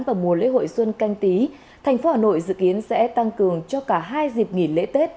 vào mùa lễ hội xuân canh tí thành phố hà nội dự kiến sẽ tăng cường cho cả hai dịp nghỉ lễ tết